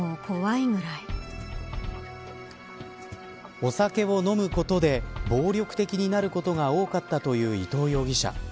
お酒を飲むことで暴力的になることが多かったという伊藤容疑者。